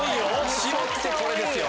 絞ってこれですよ。